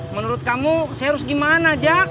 menurut kamu saya harus gimana jak